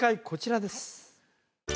こちらです